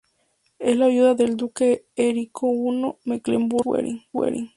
Era la viuda del duque Erico I de Mecklemburgo-Schwerin.